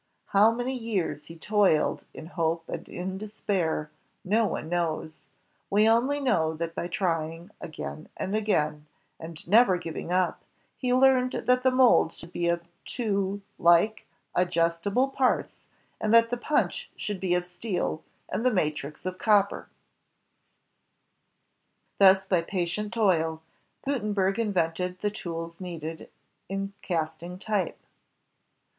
How many years he toiled, in hope and in despair, no one knows. We only know that by trying again and again, and never giving up, he learned that the mold should be of two like, adjustable parts and that the punch should be of steel, and the matrix of copper. JOHN GUTENBERG 199 Thus by patient toil, Gutenberg invented the tools needed in casting type.